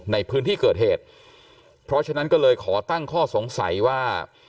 ในพื้นที่เกิดเหตุเพราะฉะนั้นก็เลยขอตั้งข้อสงสัยว่า